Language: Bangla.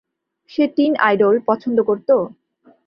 সে টিন আইডল পছন্দ করতো?